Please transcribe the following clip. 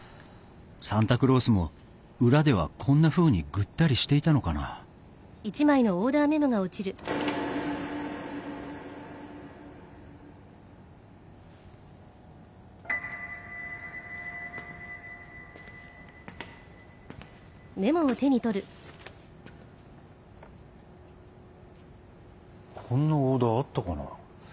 サンタクロースも裏ではこんなふうにぐったりしていたのかなこんなオーダーあったかな。